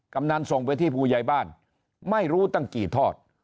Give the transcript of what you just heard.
กำนันส่งไปที่ผู้ใหญ่บ้านไม่รู้ตั้งกี่ทอด